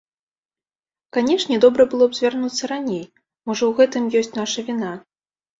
Канешне, добра было б звярнуцца раней, можа ў гэтым ёсць наша віна.